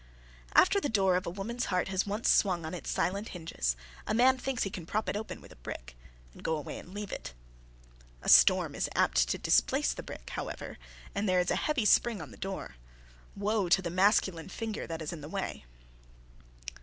After the door of a woman's heart has once swung on its silent hinges, a man thinks he can prop it open with a brick and go away and leave it. A storm is apt to displace the brick, however and there is a heavy spring on the door. Woe to the masculine finger that is in the way!